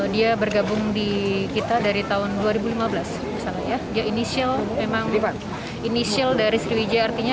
dia membantu teman temannya apalagi untuk tugas operasional